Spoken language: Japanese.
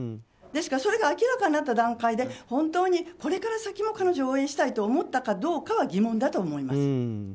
ですから、それが明らかになった段階で本当にこれから先も彼女を応援したいと思ったかどうかは疑問だと思います。